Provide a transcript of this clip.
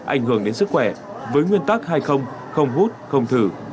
ảnh hưởng đến sức khỏe với nguyên tắc hay không hút không thử